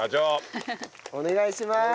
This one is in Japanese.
お願いします！